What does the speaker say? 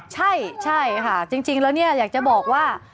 ใช่ค่ะจริงแล้วเนี่ยอยากจะบอกว่า